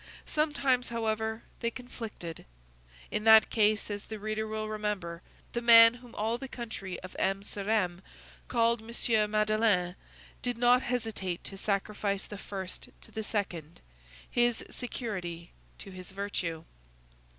Sometimes, however, they conflicted. In that case, as the reader will remember, the man whom all the country of M. sur M. called M. Madeleine did not hesitate to sacrifice the first to the second—his security to his virtue.